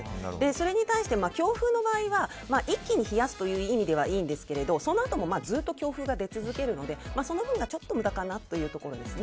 それに対して強風の場合は一気に冷やすという意味ではいいんですけどそのあともずっと強風が出続けるので、その分が無駄かなというところです。